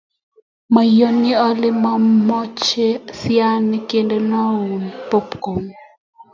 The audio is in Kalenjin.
moyoni ale memoche siagik kendenoun popkon